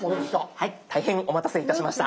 はい大変お待たせいたしました。